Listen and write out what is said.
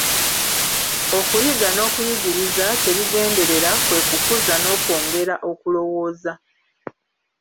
Okuyiga n'okuyigiriza kye bigenderera kwe kukuza n'okwongera okulowooza.